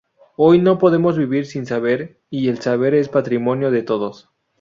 Hoy no podemos vivir sin saber, y el saber es patrimonio de todos.